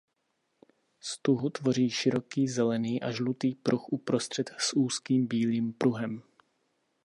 Stuhu tvoří široký zelený a žlutý pruh uprostřed s úzkým bílým pruhem.